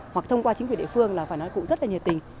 hoặc thông qua chính quyền địa phương là phải nói cụ rất là nhiệt tình